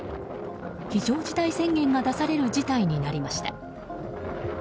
非常事態宣言が出される事態になりました。